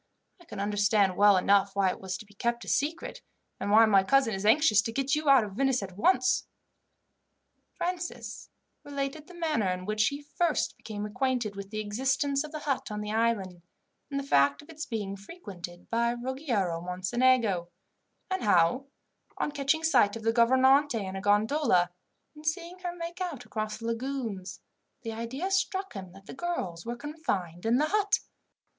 I can understand well enough why it was to be kept a secret, and why my cousin is anxious to get you out of Venice at once." Francis related the manner in which he first became acquainted with the existence of the hut on the island, and the fact of its being frequented by Ruggiero Mocenigo; and how, on catching sight of the gouvernante in a gondola, and seeing her make out across the lagoons, the idea struck him that the girls were confined in the hut.